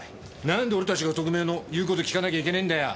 何で俺たちが特命の言う事聞かなきゃいけねえんだよ！